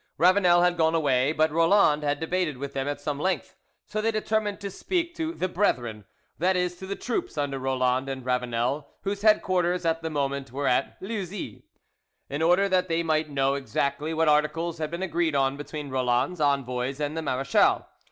Ravanel had gone away, but Roland had debated with them at some length, so they determined to speak to "the brethren"—that is, to the troops under Roland and Ravanel, whose headquarters at the moment were at Leuzies, in order that they might know exactly what articles had been agreed on between Roland's envoys and the marechal.